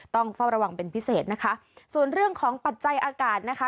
ต้องเฝ้าระวังเป็นพิเศษนะคะส่วนเรื่องของปัจจัยอากาศนะคะ